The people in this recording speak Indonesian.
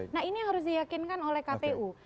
nah ini yang harus diyakinkan oleh kpu